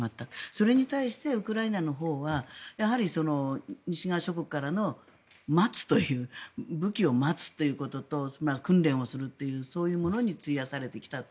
それに対してウクライナのほうはやはり西側諸国からの武器を待つということと訓練をするっていうそういうものに費やされてきた。